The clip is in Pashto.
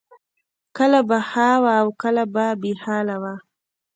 کله به ښه وه او کله به بې حاله وه